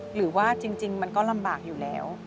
หรือว่าจริงมันก็ลำบากอยู่แล้ว